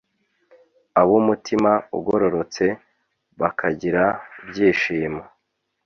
ab'umutima ugororotse bakagira ibyishimo